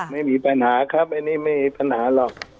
ไม่มีปัญหาครับอันนี้ไม่มีปัญหาหรอก